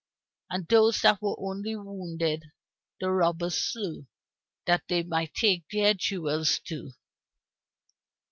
And those that were only wounded, the robbers slew, that they might take their jewels too.